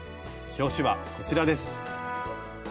表紙はこちらです。